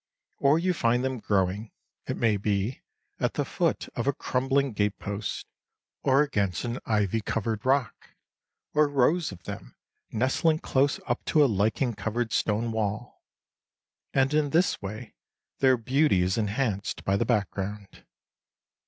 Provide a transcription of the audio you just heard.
Or you find them growing, it may be, at the foot of a crumbling gate post, or against an ivy covered rock, or rows of them nestling close up to a lichen covered stone wall; and in this way their beauty is enhanced by the background.